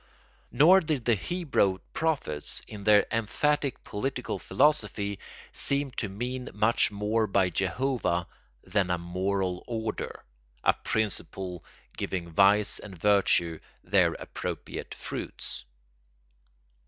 Nor did the Hebrew prophets, in their emphatic political philosophy, seem to mean much more by Jehovah than a moral order, a principle giving vice and virtue their appropriate fruits.